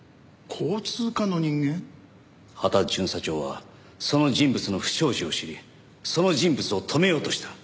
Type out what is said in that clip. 羽田巡査長はその人物の不祥事を知りその人物を止めようとした。